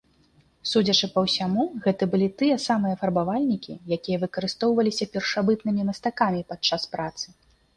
Судзячы па ўсяму гэта былі тыя самыя фарбавальнікі, якія выкарыстоўваліся першабытнымі мастакамі падчас працы.